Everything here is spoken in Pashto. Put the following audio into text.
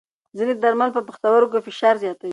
ځینې درمل پر پښتورګو فشار زیاتوي.